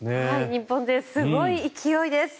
日本勢すごい勢いです。